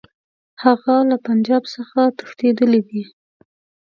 هغه له پنجاب څخه تښتېدلی دی.